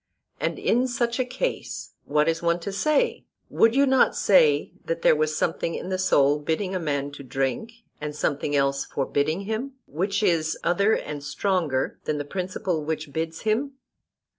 And in such a case what is one to say? Would you not say that there was something in the soul bidding a man to drink, and something else forbidding him, which is other and stronger than the principle which bids him?